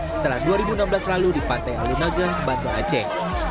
setelah dua ribu enam belas lalu di pantai alunaga bandar aceh